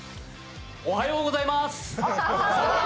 おはようございます。